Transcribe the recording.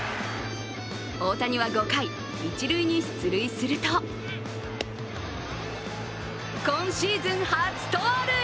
大谷は５回、一塁に出塁すると今シーズン初盗塁。